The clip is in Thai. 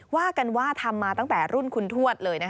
ว่ากันว่าทำมาตั้งแต่รุ่นคุณทวดเลย